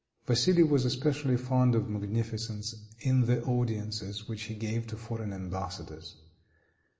Vassili was especially fond of magnificence in the audiences which he gave to foreign embassadors.